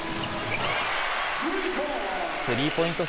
スリーポイント